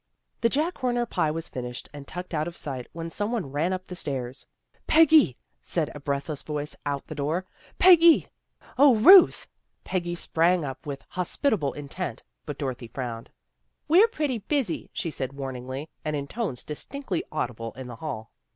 The Jack Horner pie was finished and tucked out of sight when someone ran up the stairs. " Peggy! " said a breathless voice, outside the door. " Peggy!" "0 Ruth!" Peggy sprang up with hospit able intent, but Dorothy frowned. " We're pretty busy," she said warningly, and in tones distinctly audible in the hall.